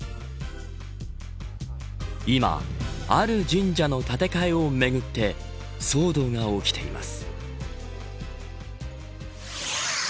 今、ある神社の建て替えをめぐって騒動が起きています。